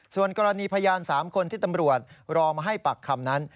ส่วนกรณีพยาน๓คนที่ตำรวจรอมาให้ปากคำนั้น